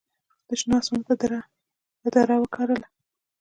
د شنه اسمان پر دړه وکرله